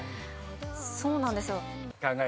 そうなんですよ。